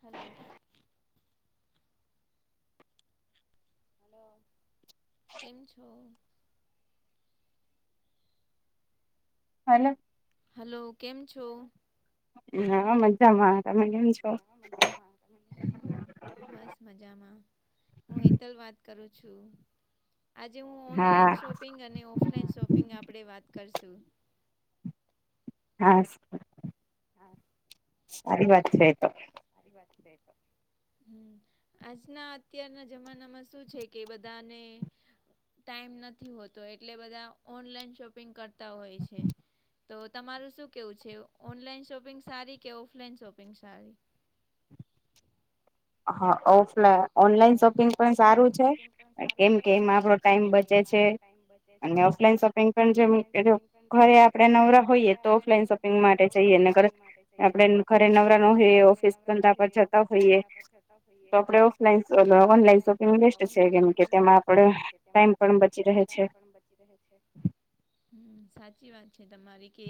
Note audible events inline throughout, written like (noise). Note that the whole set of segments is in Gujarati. હલો. હલો કેમ છો? હલો. હલો કેમ છો? હા હા મજામાં તમે કેમ છો? હા હા મજામાં બસ મજામાં હું હેતલ વાત કરું છું. આજે હું ઓનલાઈન શોપિંગ અને ઓફલાઈન શોપિંગ આપડે વાત કરશું હાશ હાય. ખરી વાત છે એતો સારી વાત છે એ તો હમ્મ આજના અત્યારના જમાનામાં શું છે કે બધાને ટાઈમ નથી હોતો એટલે બધા ઓનલાઈન શોપિંગ કરતા હોય છે. તો તમારું શું કેવું છે ઓનલાઈન શોપિંગ સારી કે ઓફલાઈન શોપિંગ સારી હા ઓ લા ઓનલાઈન શોપિંગ પણ સારું છે કેમ કે એમાં આપડો ટાઈમ બચે છે. અને ઓફલાઈન શોપિંગ પણ જેમ ઘરે આપડે નવરા હોઈએ તો ઓફલાઈન શોપિંગ હોઈએ તો ઓફલાઈન શોપિંગ માટે જઈએ નકર આપડે ઘરે નવરા ન હોઈએ ઓફિસ ધંધા બચત તા હોઈએ ને ઓફલાઇન શું તો ઓનલાઈન શોપિંગ લિસ્ટ છે કેમ કે તેમાં આપડે ટાઈમ પણ બચી હમ્મ સાચી વાત છે તમારી કે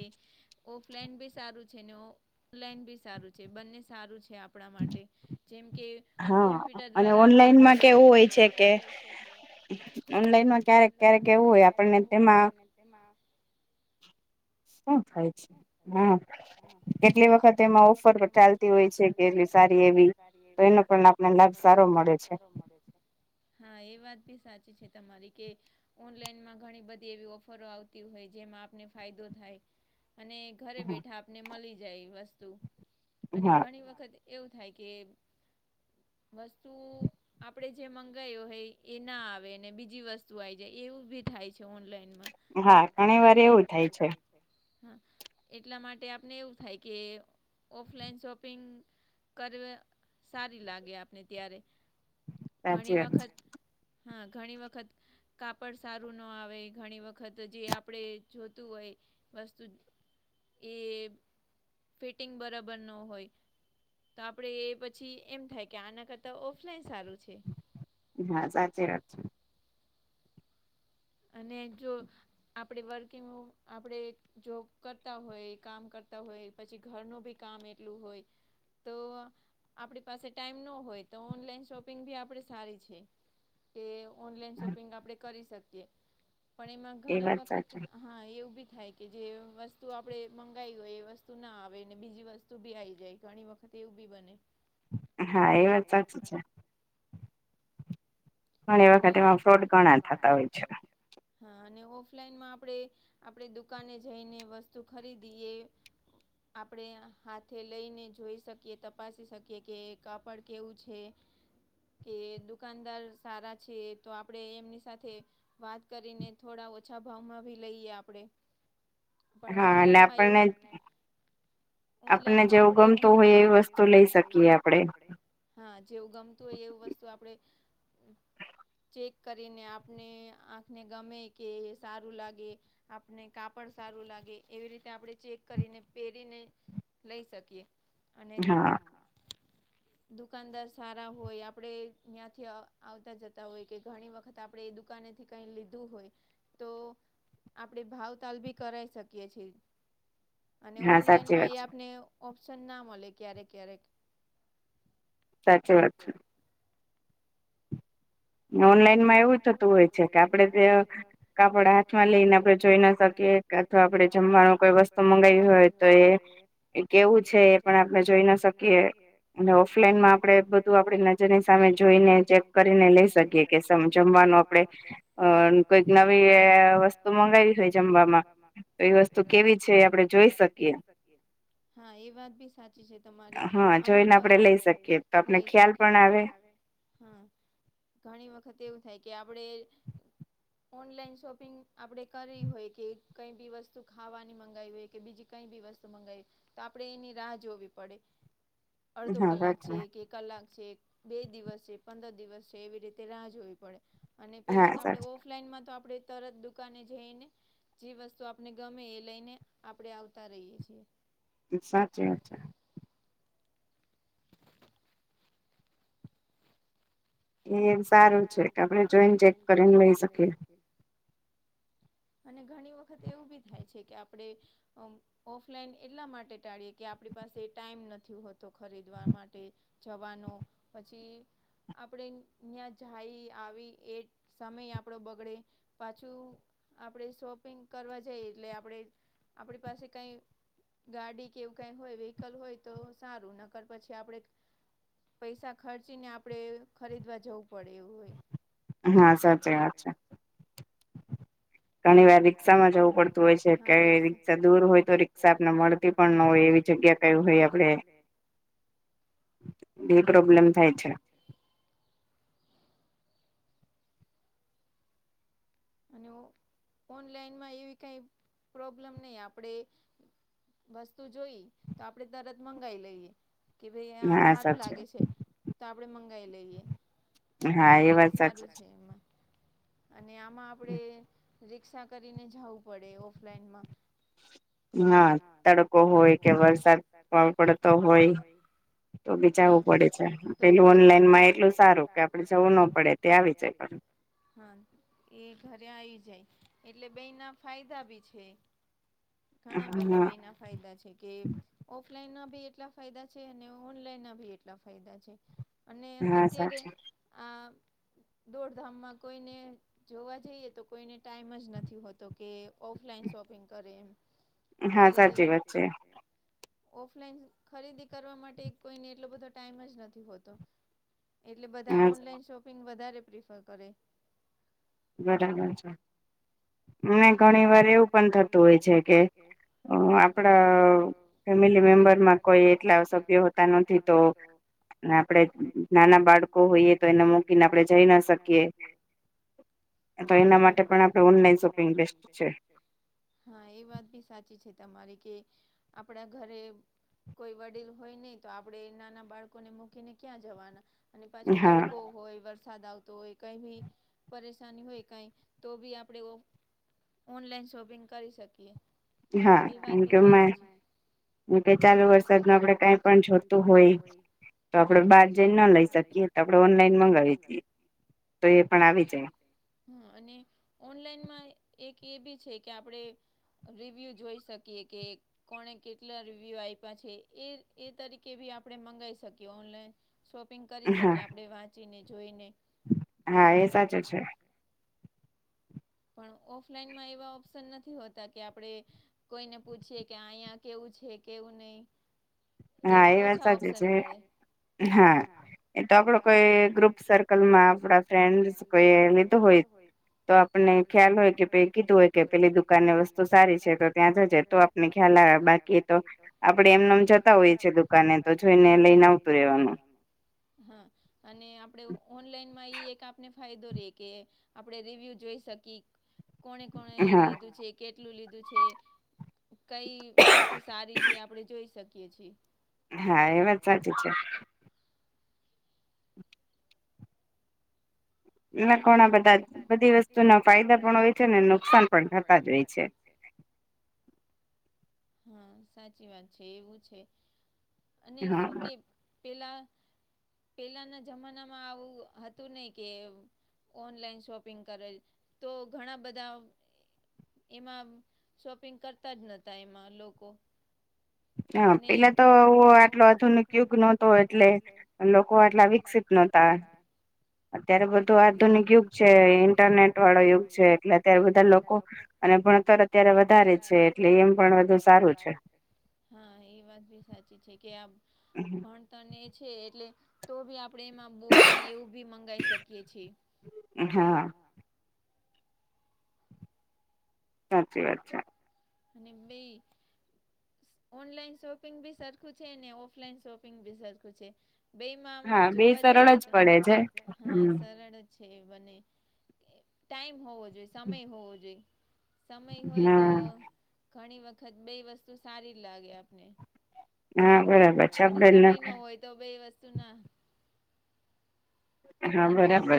ઓફલાઈન બી સારું છે ને ઓફલાઈન બી સારું છે બંને સારું છે આપ આપડા માટે જેમ કે હા અને ઓનલાઈનમાં કેવું હોય છે કે ઓનલાઈનમાં ક્યારેક ક્યારેક એવું હોય આપણને તેમાં એમાં શું ખાય છે હમ્મ. કેટલી વખત એમાં ઓફર ચાલતી હોય છે કે એટલી સારી એવી તો એનો પણ તેનો પણ આપણે લાભ સારો મળે છે હા એ વાત ભી સાચી છે તમારી કે ઓનલાઈનમાં ઘણી બધી એવી ઓફરો આવતી હોય જેમાં આપને ફાયદો થાય અને ઘરે બેઠા આપને મળી જાય વસ્તુ અને ઘણી વખત એવું થાય કે વસ્તુ આપડે જે મંગાયો હોય એ ના આવે અને બીજી વસ્તુ આવી જાય એવું ભી થાય છે ઓનલાઈનમાં હા અને એવું થાય છે. હા એટલા માટે આપને એવું થાય કે ઓફલાઈન શોપિંગ કરવે સારી લાગે આપને ત્યારે ઘણી વખત હા ઘણી વખત કાપડ સારું નો આવે ઘણી વખત જે આપણે જોતું હોય એ ફિટિંગ બરાબર નો હોય તો આપણેે એ પછી એમ થાય કે આના કરતાં ઓફલાઈન સારું છે. હા સાચી વાત છે અને જો આપણે વર્કિંગ આપણે જોબ કરતા હોય કામ કરતા હોય પછી ઘરનું બી કામ એટલું હોય તો આપણી પાસે ટાઈમ નો હોય તો ઓનલાઈન શોપિંગ આપણે સારી છે. કે ઓનલાઈન શોપિંગ આપણે કરી શકીએ પણ એમાં ઘણી વખત આ હા એવું બી થાય કે જે વસ્તુ આપણેે મંગાવી હોય એ વસ્તુ ના આવે ને બીજી વસ્તુ તું બી આઈ જાય ઘણી વખત એવું બી બને હા એ વાત સાચી છે. પણ એ વખત એમાં ફ્રોડ ગણા થતા હોય છે. હા અને ઓફલાઈનમાં આપણે આપણે દુકાને જઈને વસ્તુ ખરીદીએ આપડે હાથે લઈને જોઈ શકીએ તપાસી શકીએ કે કાપડ કેવું છે. કે દુકાનદાર સારા છે તો આપણે એમની સાથે વાત કરીને થોડા ઓછા ભાવમાં ભી લઈએ આપણે પણ ઓનલાઇનમાં એવું ઓનલાઈનમાં આપણેે એવું ન થાય એ વસ્તુ લઈ શકીએ આપડે હા જેવું ગમતું હોય એવું વસ્તુ આપડે ચેક કરીને આપને આંખને ગમે કે સારું લાગે આપને કાપડ સારું લાગે એવી રીતે આપણે ચેક કરીને પહેરીને લઈ શકીએ અને દુકાનદાર સારા હોય આપડે ત્યાંથી આવતા જતા હોય કે ઘણી વખત આપણે એ દુકાનેથી કઈ લીધું હોય તો આપણે ભાવ તલ ભી કરાઈ શકીએ છીએ અને ઓનલાઈનમાં એ આપને ઓપ્શન ના મળે ક્યારેક ક્યારેક સાચી વાત છે ઓનલાઈનમાં એવું થતું હોય છે કે આપડે તે હાથમાં આપડણે જોઈ ના શકીએ અથવા આપડે જમવાનું કોઈ વસ્તુ મંગાવી હોય તો એ એ કેવું છે એ પણ આપણે જોઈ ના શકીએ અને ઓફલાઈન માં આપડે બધું નજરની સામે જોઈને ચેક કરીને લઈ શકીએ કે જમવાનું આપડે અ કઈક નવી વસ્તુ મંગાવી હોય જમવામાં તો એ વસ્તુ કેવી છે એ આપડણે જોઈ શકીએ હા એ વાત ભી સાચી છે તમારી અમુક વાત આપઈ લઈ શકીએ આવે હા ઘણી વખત એવું થાય કે આપડે ઓનલાઈન શોપિંગ આપડણે કરી હોય કે કઈ બી વસ્તુ ખાવાની મગાવી હોય કે બીજી કઈ બી વસ્તુ મંગાવ તો આપણે એની રાહ જોવી પડે અડધો કલાક છે કે કલાક છે બે દિવસ છે પંદર દિવસ છે એવી રીતે રાહ જોવી પડે અને પેલું તો આપણે ઓફલાઈનમાં તો આપણે તરત દુકાને જઈને જે વસ્તુ આપણે ગમે એ લઈને આપણેે આવતા રહીએ છીએ. સાચી વાત છે. (inaudible) એ સારું છે કે આપણે જોઈને ચેક કરીને લઈ શકીએ. અને ઘણી વખત એવું બી થાય છે કે આપણે અ ઓફલાઈન એટલા માટે ટાળીએ કે આપણી પાસે ટાઈમ નથી હોતો ખરીદવા માટે જવા નો પછી આપણે નયા જાય આવી એ સમય આપણો બગડે પાછું આપણે શોપિંગ કરવા જઈ એટલે આપણે આપણી પાસે કઈ ગાડી કે એવું કાઈ હોય વિહિકલ હોય તો સારું નકર પછી આપણે પૈસા ખર્ચી ને આપડે ખરીદવા જવું પડે એવું હોય. હા સાચી વાત છે. ઘણી વાર રિક્ષા માં જવું પડતું હોય છે કે રિક્ષા દૂર હોય તો રિક્ષા આપને મળ મળતી પણ ન હોય એવી જગ્યા કઈ હોય આપડે એ પ્રોબ્લેમ થાય છે. અને ઓન ઓનલાઈનમાં એવી કાંઈ પ્રોબ્લેમ નહીં આપણે વસ્તુ જોઈ તો આપણે તરત મંગાઇ લઈએ. કે ભઈ આ સારું લાગે છે તો આપડે મંગાઇ લઈએ. એક સારું છે એમાં અને આમાં આપણે રિક્ષા કરીને જાવું પડે ઓફલાઈનમાં. હા તડકો હોય કે વરસાદ બઉ પડતો હોય. હા તો ભી જવું પડે તો (unintelligible) એટલું સારું કે આપડે જવું ન પડે તે આવી જાય. હા, એ ઘરે આયી જાય એટલે બે ના ફાયદા બી છે. ઘણા બધા બેના ફાયદા છે. કે ઓફલાઈન ના ભી એટલા ફાયદા છે અને ઓનલાઈનના ભી એટલા ફાયદા છે અને અત્યારે આ દોડ-ધામમાં કોઈને જોવા જઈએ તો કોઈને ટાઈમ જ નથી હોતો કે ઓફલાઈન શોપિંગ કરે એમ ખરીદી. હા સાચી વાત છે ઓફલાઈન ખરીદી કરવા માટે કોઈને એટલો બધો ટાઈમ જ નથી હોતો. એટલે બધા ઓનલાઈન શોપિંગ વધારે પ્રીફર કરે. બરાબર છે અને ઘણી વાર એવું પણ થતું હોય છે કે આપણા ફેમિલી મેમ્બરમાં કોઈ એટલા સભ્યો હોતા નથી. તો અને આપડે નાના બાળકો હોઈએ તો એને મકીને આપડે જઈ ના શકીએ. તો એના માટે પણ આપણે ઓનલાઈન શોપિંગ કરી શકીએ. (inaudible) હા, એ વાત ભી સાચી છે તમારી કે આપણા ઘરે કોઈ વડીલ હોય નહી તો આપણે નાના બાળકોને મૂકીને ક્યાં જવાના અને પાછો તડકો હોય વર વરસાદ આવતો હોય. કાંઈ બી પરેશાની હોય કાંઈ તો બી આપડે એવો ઓનલાઈન શોપિંગ કરી શકીએ. હા થેન્કયું (unintelligible) કે ચાલુ વરસાદ ન આપડે કઈ પણ જોતું હોય. તો આપડે બહાર જઈને ના લઈ શકીએ. તો આપડે ઓનલાઈન મગાવી દઈએ તો એ પણ આવી જાય. હા અને ઓનલાઈનમાં એક એ બી છે. કે આપણે રીવ્યુ જોઈ શકીએ કે કોણે કેટલા રિવ્યુ આપ્યા છે એ એ તરીકે ભી આપણે મંગાવી શકીએ ઓનલાઈન શોપિંગ કરી શકીએ આપણે વાંચીને જોઈને. હા એ સાચું છે. પણ ઓફલાઈનમાં એવા ઓપ્શન નથી હોતા કે આપડે કોઈને પૂછીએ અહીંયા કેવું છે કેવું નહીિ. એવા ઓછા ઓપ્શન મળે. હા એ તો આપડ કોઈ ગ્રુપ સર્કલમાં આપડા ફ્રેન્ડસ કોઈ લીધું હોય. તો આપણને ખ્યાલ હોય કે (unintelligible) કીધું હોય કે પેલી દુકાનની વસ્તુ સારી છે તો ત્યાં જજે તો ને ખ્યાલ આવે બાકી તો આપડે એમ નેમ જતા હોય છે દુકાનને તો જોઈને લઈને આવતું રહેવાનું હા. અને આપડે ઓ ઓનલાઈનમાં ઈ એક આપને ફાયદો રે કે આપણેે રિવ્યુ જોઈ કી કોને કોને લીધું છે કેટલું લીધું છે કઈ વસ્તુ સારી છે, આપણે જોઈ શકીએ છીએ. હા એ વાત સાચી છે એના ઘણા બધા જ બધી વસ્તુ ના ફાયદા પણ હોય છે. ને નુકસાન પણ થતા જ હોય છે. હા સાચી છે એવું છે અને શું કે પેલા પેલાના જમાનામાં આવું હતું ને કે એવું, ઓનલાઈન શોપિંગ કરેલ. તો ઘણા બધા એમાં આમ શોપિંગ કરતા જ નતા લોકો. હા પેલા તો આવુ આટલો આધુનિક યુગ નહતો. એટલે લોકો આટલા વિકસિત નતા ન તા. અત્યારે બધું આધુનિક યુગ છે ઈન્ટરનેટ વાળો યુગ છે એટલે અત્યારે બધા લોકો અને ભણતર અત્યારે વધારે છે એટલે એમ પણ વધુ સારું છે. હા એ વાત ભી સાચી છે કે આ (inaudible) ભણતર ને એ છે એટલે તો ભી આપણે એમાં બુકને એવું બી મંગાઈ શકીએ છીએ. હા. સાચી વાત છે. નિબ્બી ઓનલાઈન શોપિંગ બી સરખું છે ને ઓફલાઈન શોપિંગ બી સરખું છે. બેમાં આમ જોવા જઈએ તો હા સરળ છે મને ટાઈમ હોવો જોઈએ સમય હોવો જોઈએ. સમય હોય તો ઘણી વખત બે વસ્તુ સારી જ લાગે આપને. હા અને સમય ન હોય તો બે વસ્તુ ના એમ કે આપણે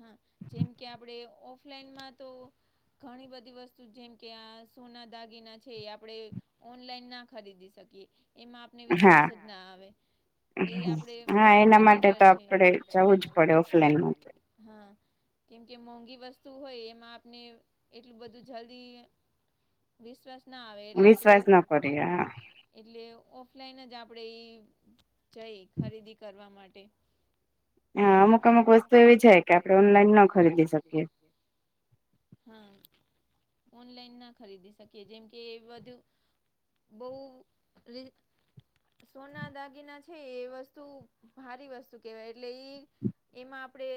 હા જેમ કે આપણે ઓફલાઈનમાં તો ઘણી બધી વસ્તુ જેમ કે આ સોના દાગીના છે એ આપણે ઓનલાઈન ના ખરીદી શકીએ એમાં આપને વિશ્વાસ જ ના આવે. એ આપડે ફનિચર છે (unintelligible) હા કેમ કે મોંઘી વસ્તુ હોય એમાં આપણે એટલું બધું જલ્દી વિશ્વાસ ના આવે એટલે આપણેે એટલે ઓફલાઈન જ આપણે ઈ જઈ ખરીદી કરવા માટે હા અમુક અમુક વસ્તુ એવી છે કે આપણે ઓનલાઈન ન ખરીદી શકીએ. હા ઓનલાઈન ના ખરીદી શકીએ જેમ કે વધું બોહુ રી સોના દાગીના છે એ વસ્તુ ભારી વસ્તુ કેવાય એટલે ઈ એમાં આપડે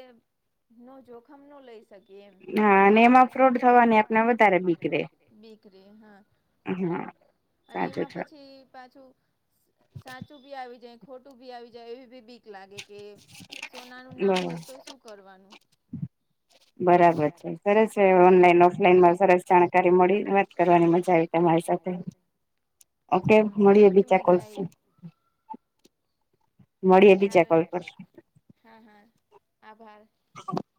બો જોખમ નો લઈ શકીએ એમ હા. એમાં ફ્રોડ થવાની આપના વધારે બીક રે બીક રે હા. અને એમાં પછી પાછું (unintelligible) સાચું ભી આવી જાય ખોટું ભી આવી જાય એવી ભી બી ક લાગે કે સોનાનું ના હોય તો શું કરવાનું? બરાબર છે સરસ તે ઓનલાઈન ઓફલાઈન માં સરસ જાણકારી મળી વાત કરવાની મજા આવી તમારી સાથે ઓકે મળીએ બીચા (unintelligible) મળીએ બીજા કોલ પર. હા હા આભાર. (unintelligible)